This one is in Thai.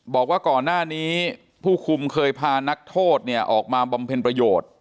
บอกว่าก่อนหน้านี้ผู้คุมเคยพานักโทษเนี่ยออกมาบำเพ็ญประโยชน์